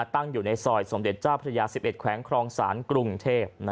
ตั้งอยู่ในซอยสมเด็จเจ้าพระยา๑๑แขวงครองศาลกรุงเทพ